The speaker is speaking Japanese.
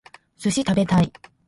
寿司食べたい